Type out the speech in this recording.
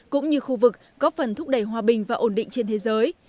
cũng như khu vực có phần thúc đẩy hòa bình và ổn định trên thế giới